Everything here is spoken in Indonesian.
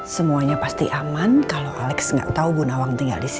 semuanya pasti aman kalau alex nggak tahu bu nawang tinggal di sini